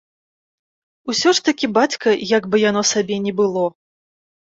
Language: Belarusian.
Усё ж такі бацька, як бы яно сабе ні было.